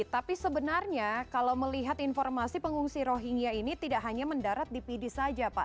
tapi sebenarnya kalau melihat informasi pengungsi rohingya ini tidak hanya mendarat di pidi saja pak